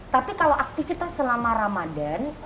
tapi kalau aktivitas selama ramadan